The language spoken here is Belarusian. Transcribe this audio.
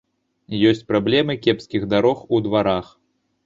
Ёсць праблемы кепскіх дарог у дварах.